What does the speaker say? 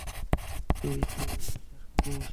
তুই ঈশ্বরে বিশ্বাস করিস?